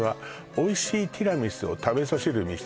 「おいしいティラミスを食べさせる店」